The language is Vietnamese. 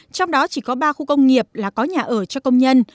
trong đó chỉ có ba khu công nghiệp là có nhà ở cho công nhân